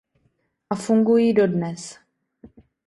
A fungují dodnes.